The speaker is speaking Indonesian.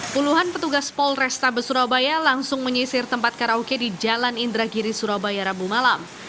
puluhan petugas polresta besurabaya langsung menyisir tempat karaoke di jalan indra giri surabaya rabu malam